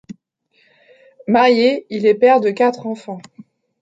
Marié, il est père de quatre enfants.